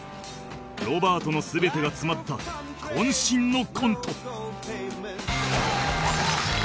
ロバートの全てが詰まった渾身のコント